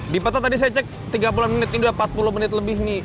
di peta tadi saya cek tiga puluh menit ini sudah empat puluh menit lebih nih